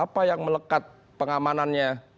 apa yang melekat pengamanannya